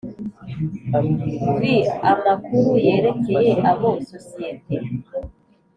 Vii amakuru yerekeye abo sosiyete